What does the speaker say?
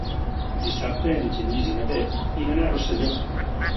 Dissabte en Genís i na Bet iran a Rosselló.